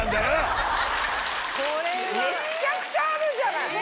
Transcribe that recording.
めっちゃくちゃあるじゃない。